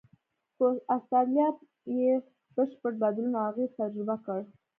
خو استرالیا یې بشپړ بدلون او اغېز تجربه کړ.